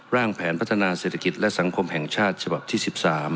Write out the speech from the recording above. แผนพัฒนาเศรษฐกิจและสังคมแห่งชาติฉบับที่๑๓